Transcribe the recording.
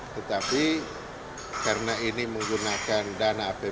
tetapi karena ini menggunakan dana apbn